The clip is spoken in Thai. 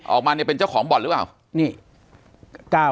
ออกมาเนี่ยเป็นเจ้าของบ่อนหรือเปล่า